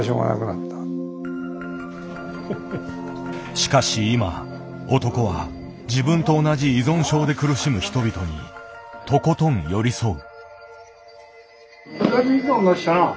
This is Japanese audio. しかし今男は自分と同じ依存症で苦しむ人々にとことん寄り添う。